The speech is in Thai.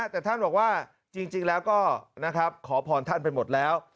แต่ท่านบอกว่าจริงแล้วก็ขอพรท่านไปหมดแล้ว